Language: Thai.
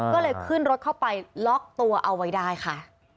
ก็เลยขึ้นรถเข้าไปล็อกตัวเอาไว้ได้ค่ะ